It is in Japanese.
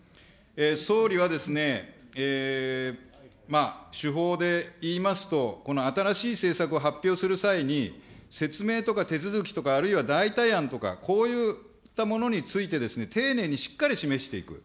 総理はですね、手法でいいますと、この新しい政策を発表する際に、説明とか手続きとかあるいは代替案とか、こういったものについて、丁寧にしっかり示していく。